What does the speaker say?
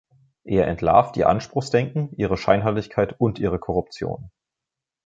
Er entlarvt ihr Anspruchsdenken, ihre Scheinheiligkeit und ihre Korruption.